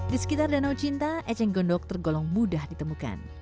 di sekitar danau cinta eceng gondok tergolong mudah ditemukan